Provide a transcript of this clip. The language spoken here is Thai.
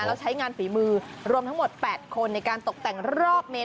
แล้วใช้งานฝีมือรวมทั้งหมด๘คนในการตกแต่งรอบเมน